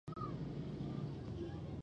چي پر شرع او قانون ده برابره